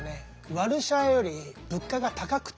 ワルシャワより物価が高くて。